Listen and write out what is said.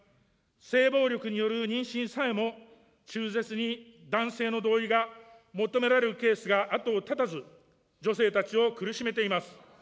性暴力による妊娠さえも中絶に男性の同意が求められるケースが後を絶たず、女性たちを苦しめています。